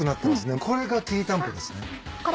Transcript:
これがきりたんぽですね？